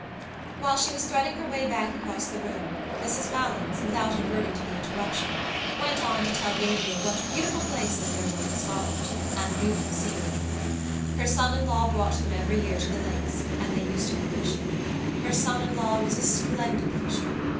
While she was threading her way back across the room Mrs Malins, without adverting to the interruption, went on to tell Gabriel what beautiful places there were in Scotland and beautiful scenery. Her son in law brought them every year to the lakes and they used to go fishing. Her son in law was a splendid fisher.